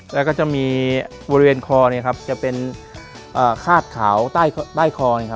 แล้วก็จะมีบริเวณคอจะเป็นคาดขาวใต้คอ